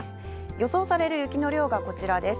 予想される雪の量がこちらです。